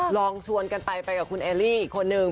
ลองชวนกันไปไปกับคุณเอลลี่อีกคนนึง